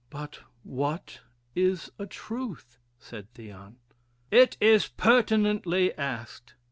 "But what is a truth?" said Theon. "It is pertinently asked.